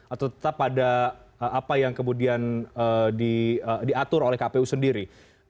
atau tetap pada apa yang kemudian diatur oleh kpu sendiri